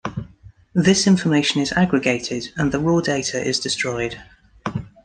This information is aggregated, and the raw data is destroyed.